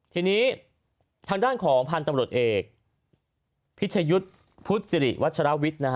ทีนี้ทางด้านของพันธุ์ตำรวจเอกพิชยุทธ์พุทธศิริวัชรวิทย์